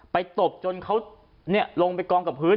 ตบจนเขาลงไปกองกับพื้น